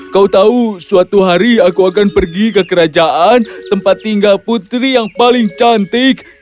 kau tahu suatu hari aku akan pergi ke kerajaan tempat tinggal putri yang paling cantik